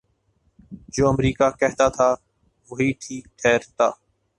جو امریکہ کہتاتھا وہی ٹھیک ٹھہرتا۔